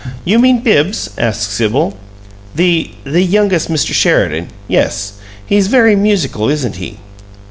"You mean Bibbs?" asked Sibyl. "The the youngest Mr. Sheridan. Yes. He's very musical, isn't he?"